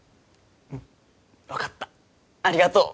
うん分かったありがとう